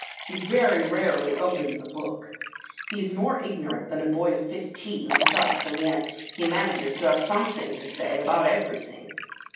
He very rarely opens a book. He is more ignorant than a boy of fifteen with us, and yet he manages to have something to say about everything.